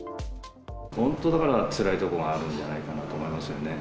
本当、だからつらいところがあるんじゃないかと思いますね。